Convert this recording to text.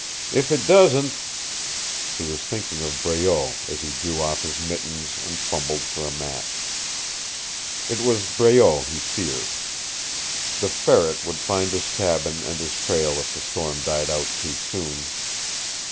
"If it doesn't " He was thinking of Breault as he drew off his mittens and fumbled for a match. It was Breault he feared. The Ferret would find his cabin and his trail if the storm died out too soon.